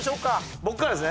僕からですね。